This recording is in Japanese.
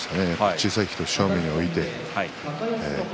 小さい人を正面に置いて。